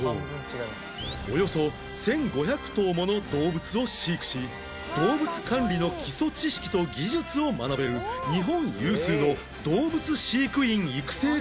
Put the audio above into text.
およそ１５００頭もの動物を飼育し動物管理の基礎知識と技術を学べる日本有数の動物飼育員育成学校